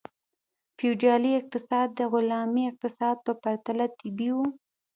فیوډالي اقتصاد د غلامي اقتصاد په پرتله طبیعي و.